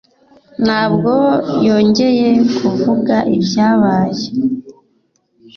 Ntabwo yongeye kuvuga ibyabaye.